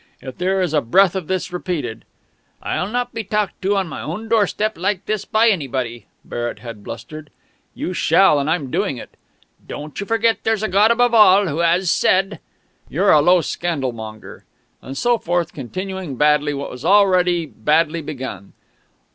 If there is a breath of this repeated ..." "I'll not be talked to on my own doorstep like this by anybody,..." Barrett had blustered.... "You shall, and I'm doing it ..." "Don't you forget there's a Gawd above all, Who 'as said..." "You're a low scandalmonger!..." And so forth, continuing badly what was already badly begun.